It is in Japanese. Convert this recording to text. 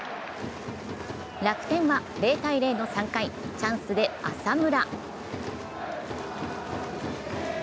楽天は０−０の３回、チャンスで浅村。